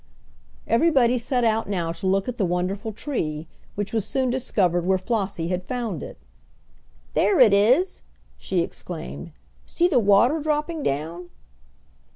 Everybody set out now to look at the wonderful tree, which was soon discovered where Flossie had found it. "There it is!" she exclaimed. "See the water dropping down!"